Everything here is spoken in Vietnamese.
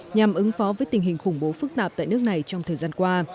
nhằm ứng phó với tình hình khủng bố phức tạp tại nước này trong thời gian qua